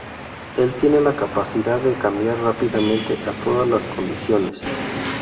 Él tiene la capacidad de cambiar rápidamente a todas las condiciones.